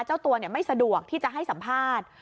เจ้าตัวไม่สะดวกที่จะให้สัมภาษณ์